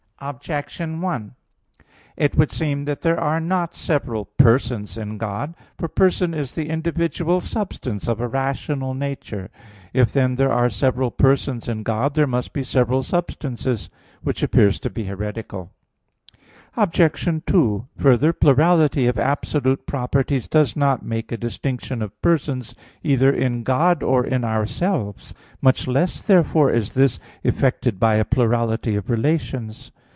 Objection 1: It would seem that there are not several persons in God. For person is "the individual substance of a rational nature." If then there are several persons in God, there must be several substances; which appears to be heretical. Obj. 2: Further, Plurality of absolute properties does not make a distinction of persons, either in God, or in ourselves. Much less therefore is this effected by a plurality of relations.